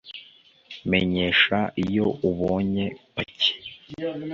Menyesha iyo ubonye paki